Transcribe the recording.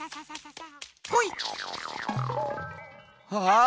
ああ！